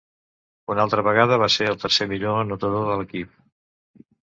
Una altra vegada, va ser el tercer millor anotador de l'equip.